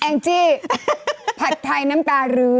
งจี้ผัดไทยน้ำตารื้อ